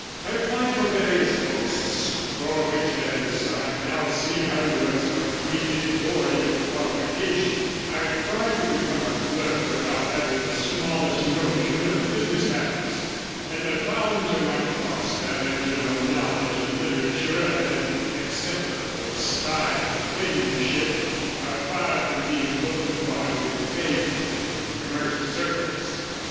I applied for various posts, for which, as I now see, I was completely devoid of qualification; I tried to become a clerk without having the smallest notion of business habits; and I found, to my cost, that a general knowledge of literature and an execrable style of penmanship are far from being looked upon with favour in commercial circles.